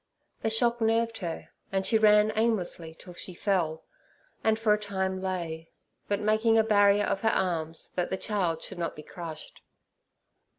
The shock nerved her, and she ran aimlessly till she fell, and for a time lay, but making a barrier of her arms, that the child should not be crushed.